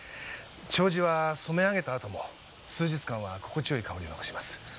丁字は染め上げたあとも数日間は心地よい香りを残します。